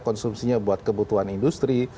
konsumsinya buat kebutuhan industri